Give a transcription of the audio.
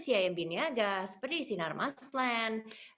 cimb niaga seperti sinar masland